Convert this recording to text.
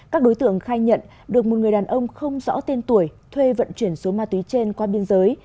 các đối tượng khai nhận được một người đàn ông không rõ tên tuổi thuê vận chuyển số ma túy trên qua biên giới